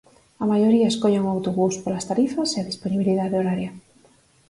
A maioría escollen o autobús, polas tarifas e a dispoñibilidade horaria.